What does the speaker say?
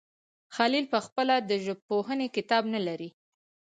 خلیل پخپله د ژبپوهنې کتاب نه لري.